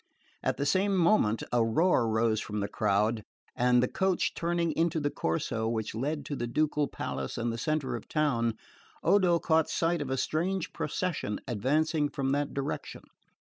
At the same moment a roar rose from the crowd; and the coach turning into the Corso which led to the ducal palace and the centre of the town, Odo caught sight of a strange procession advancing from that direction.